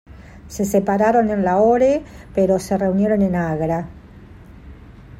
Se separaron en Lahore, pero se reunieron en Agra.